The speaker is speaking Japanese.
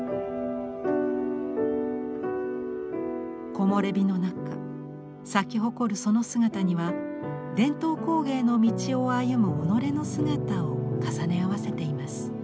木洩日の中咲き誇るその姿には伝統工芸の道を歩む己の姿を重ね合わせています。